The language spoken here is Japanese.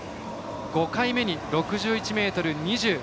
５回目に６１ｍ２０。